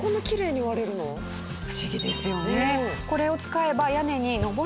不思議ですよね。